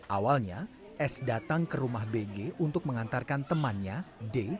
awalnya s datang ke rumah bg untuk mengantarkan temannya d